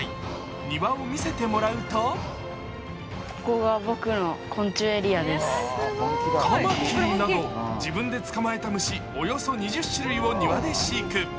庭を見せてもらうとカマキリなど自分で捕まえた虫、およそ２０種類を庭で飼育。